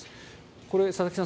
これ、佐々木さん